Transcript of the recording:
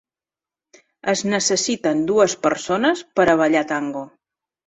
Es necessiten dues persones per a ballar tango.